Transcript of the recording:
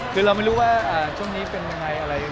คือเราไม่รู้ว่าช่วงนี้เป็นยังไงอะไร